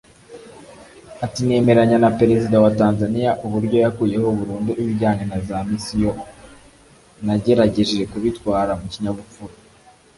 Ati “Nemeranya na Perezida wa Tanzania uburyo yakuyeho burundu ibijyanye na za misiyo […] nagerageje kubitwara mu kinyabupfura